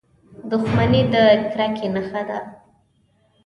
• دښمني د کرکې نښه ده.